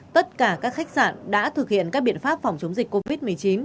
tất cả các khách sạn đã thực hiện các biện pháp phòng chống dịch covid một mươi chín